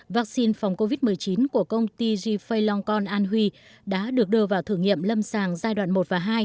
vaccine phòng covid một mươi chín của công ty gfi loncon an huy đã được đưa vào thử nghiệm lâm sàng giai đoạn một và hai